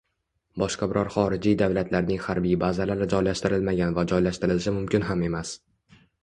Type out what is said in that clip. boshqa biror xorijiy davlatlarining harbiy bazalari joylashtirilmagan va joylashtirilishi mumkin ham emas!